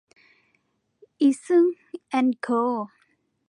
อีซึ่น แอนด์ โค